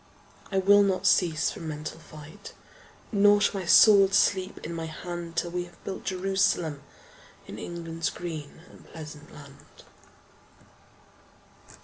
I will not cease from mental fight, Nor shall my sword sleep in my hand Till we have built Jerusalem In England's green and pleasant land.